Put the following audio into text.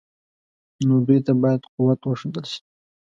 نو دوی ته باید قوت وښودل شي.